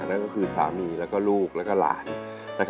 นั่นก็คือสามีแล้วก็ลูกแล้วก็หลาน